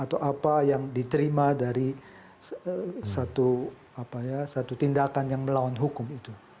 itu akan diterima dari satu tindakan yang melawan hukum itu